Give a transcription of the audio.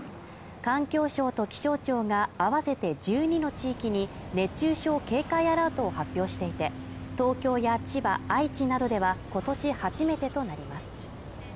環境省と気象庁が合わせて１２の地域に熱中症警戒アラートを発表していて、東京や千葉、愛知などでは、今年初めてとなります。